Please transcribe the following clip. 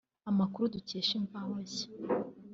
Amakuru dukesha Imvaho Nshya